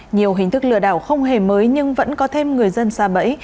nhiều hình thức lừa đảo không hề mới nhưng vẫn có thêm người dân xa bẫy